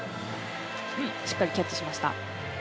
しっかりキャッチしました。